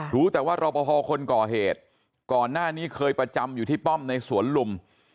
รู้แต่ว่ารอปภคนก่อเหตุก่อนหน้านี้เคยประจำอยู่ที่ป้อมในสวนลุม